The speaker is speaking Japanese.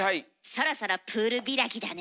そろそろプール開きだね。